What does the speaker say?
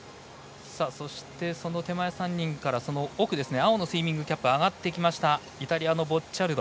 そして、その手前３人からその奥の青のスイミングキャップ上がってきたイタリアのボッチャルド。